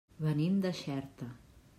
Venim de Xerta.